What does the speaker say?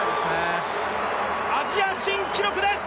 アジア新記録です。